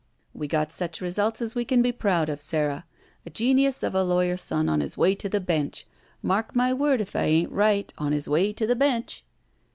We got such results as we can be proud of, Sara. A genius of a lawyer son on his way to the bench. Mark my word if I ain't right, cm his way to the bench!'